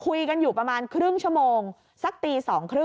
คุยกันอยู่ประมาณครึ่งชั่วโมงสักตี๒๓๐